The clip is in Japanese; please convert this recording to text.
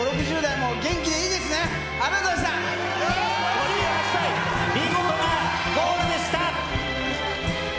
５８歳、見事なゴールでした。